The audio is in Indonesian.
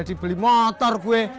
masih beli motor gue